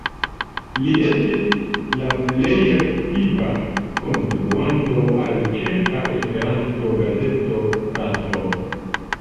Li estis la plej aktiva kontribuanto al la ĉeĥa Esperanto-gazeto Starto.